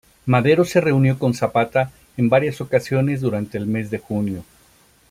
Madero se reunió con Zapata en varias ocasiones durante el mes de junio.